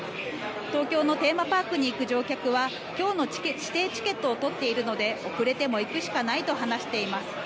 東京のテーマパークに行く乗客は今日の指定チケットを取っているので遅れても行くしかないと話しています。